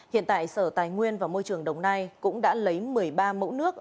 hiện tại sở tài nguyên và môi trường đồng nai cũng đã lấy một mươi ba mẫu nước